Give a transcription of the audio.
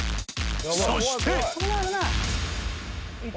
［そして］